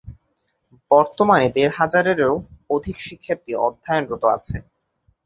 বর্তমানে দেড় হাজারেরও অধিক শিক্ষার্থী অধ্যয়নরত আছে।